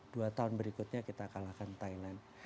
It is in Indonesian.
dua tahun berikutnya kita kalahkan thailand